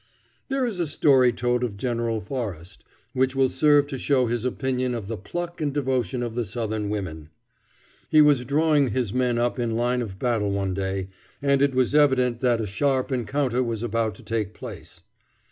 There is a story told of General Forrest, which will serve to show his opinion of the pluck and devotion of the Southern women. He was drawing his men up in line of battle one day, and it was evident that a sharp encounter was about to take place.